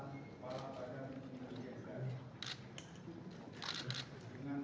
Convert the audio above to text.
kepala badan intelijen negara kepala badan intelijen negara